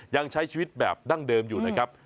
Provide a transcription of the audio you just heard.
ยังใช้ชีวิตแบบดั้งเดิมอยู่นะครับ